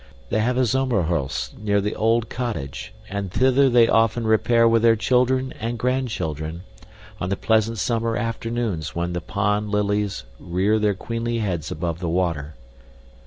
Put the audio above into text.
They have a zomerhuis near the old cottage and thither they often repair with their children and grandchildren on the pleasant summer afternoons when the pond lilies rear their queenly heads above the water.